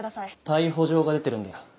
逮捕状が出てるんだよ。